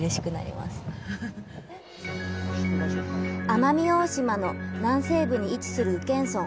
奄美大島の南西部に位置する宇検村。